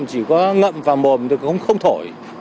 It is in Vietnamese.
chỉ có ngậm và mồm thì không thổi